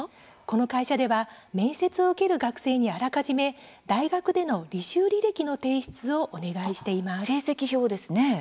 この会社では面接を受ける学生に、あらかじめ大学での履歴履修の提出をお願いしています。